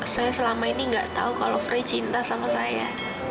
saya selama ini nggak tahu kalau fred cinta sama saya